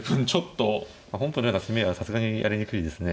本譜のような攻めはさすがにやりにくいですね。